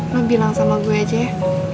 lo bilang sama gue aja ya